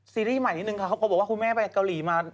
ซีรีส์ใหม่นิดนึงค่ะเขาก็บอกว่าคุณแม่ไปเกาหลีมา